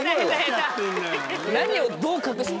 何をどう隠して。